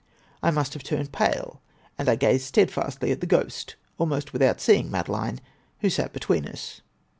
I must have turned pale, and I gazed steadfastly at the ghost, almost without seeing Madeline, who sat between us.